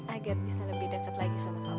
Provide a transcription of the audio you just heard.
agar bisa lebih deket lagi sama kamu